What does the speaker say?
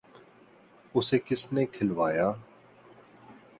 ‘ اسے کس نے کھلوایا؟